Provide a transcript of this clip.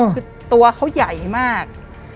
คือตัวเขาใหญ่มาก